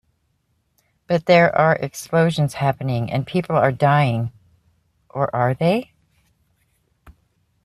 But there are explosions happening and people are dying - or are they?